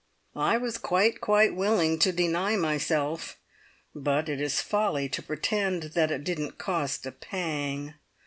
I was quite, quite willing to deny myself, but it is folly to pretend that it didn't cost a pang.